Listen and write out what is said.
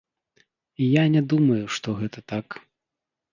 Я не думаю, што гэта так.